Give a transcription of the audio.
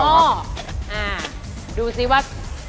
อ่าดูสิว่า